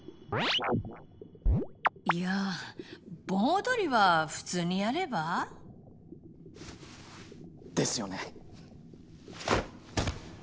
いや盆踊りは普通にやれば？ですよね。